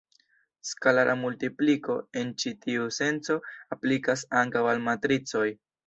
Skalara multipliko en ĉi tiu senco aplikas ankaŭ al matricoj.